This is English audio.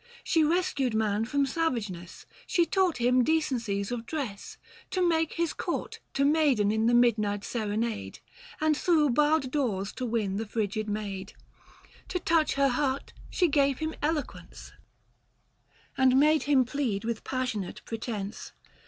115 She rescued man from savageness, she taught Him decencies of dress, to make his court, To maiden in the midnight serenade, And thro' barred doors to win the frigid maid. To touch her heart she gave him eloquence, 120 And made him plead with passionate pretence.